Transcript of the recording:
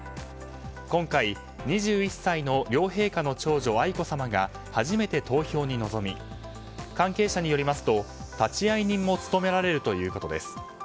今回、２１歳の両陛下の長女・愛子さまが初めて投票に臨み関係者によりますと立会人も務められるということです。